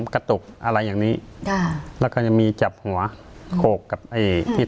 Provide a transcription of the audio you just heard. กระตุกอะไรอย่างนี้ค่ะแล้วก็ยังมีจับหัวโขกกับไอ้ที่